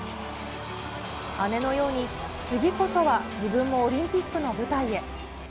姉のように、次こそは自分もオリンピックの舞台へ。